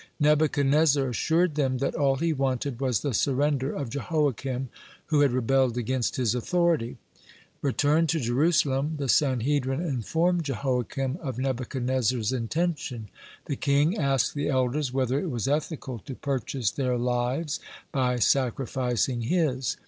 Nebuchadnezzar assured them, that all he wanted was the surrender of Jehoiakim, who had rebelled against his authority. Returned to Jerusalem, the Sanhedrin informed Jehoiakim of Nebuchadnezzar's intention. The king asked the elders, whether it was ethical to purchase their lives by sacrificing his.